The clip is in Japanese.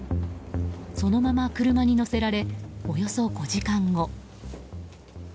そのまま車に乗せられおよそ５時間後。